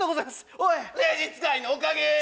おいレジ使いのおかげー